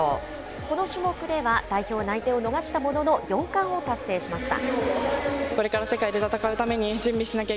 この種目では代表内定を逃したものの、４冠を達成しました。